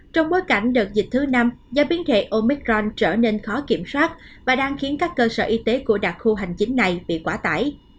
trong bối cảnh đợt dịch thứ năm giá biến thể omicron trở nên khó kiểm soát và đang khiến các cơ sở y tế của đặc khu hành chính này bị quá tải